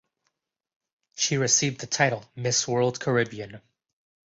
She received the title Miss World Caribbean.